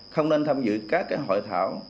không nên tham dự các hội thảo